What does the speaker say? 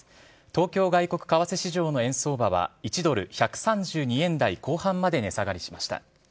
東京外国為替市場の円相場は、１ドル１３２円台後半まで値下がりしました。